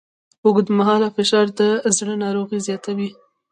اوږدمهاله فشار د زړه ناروغۍ زیاتوي.